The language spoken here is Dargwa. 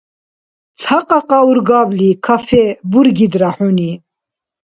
Ца кьакьа-ургабли кафе бургидра хӀуни.